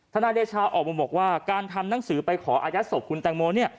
ธนาเดชาออกมาบอกว่าการทำหนังสือไปขออาญาตศพคุณตังโม